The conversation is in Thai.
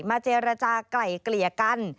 เจรจากลายเกลี่ยกัน